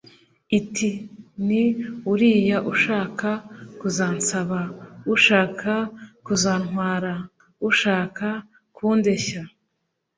iti: ‘ni uriya ushaka kuzansaba, ushaka kuzantwara, ushaka kundeshya.’